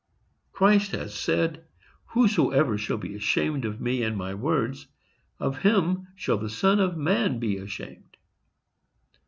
Christ has said, "Whosoever shall be ashamed of me and my words, of him shall the Son of Man be ashamed."